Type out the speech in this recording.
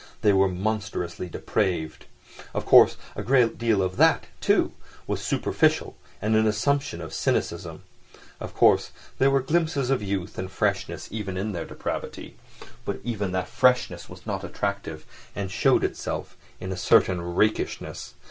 They were monstrously depraved. Of course a great deal of that, too, was superficial and an assumption of cynicism; of course there were glimpses of youth and freshness even in their depravity; but even that freshness was not attractive, and showed itself in a certain rakishness.